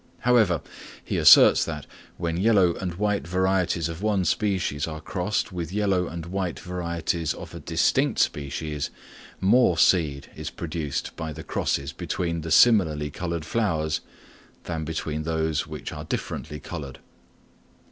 Moreover, he asserts that, when yellow and white varieties of one species are crossed with yellow and white varieties of a distinct species, more seed is produced by the crosses between the similarly coloured flowers, than between those which are differently coloured.